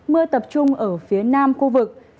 mưa tập trung ở phía nam khu vực